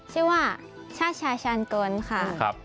ชื่อว่าชาติชาชาญกลค่ะ